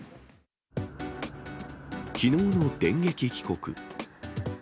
きのうの電撃帰国。